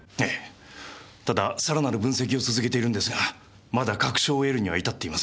ただ更なる分析を続けているんですがまだ確証を得るには至っていません。